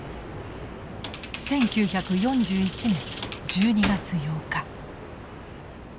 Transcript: １９４１年１２月８日。